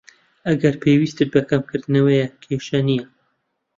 ئەگەر پێویستت بە کەمکردنەوەیە، کێشە نیە.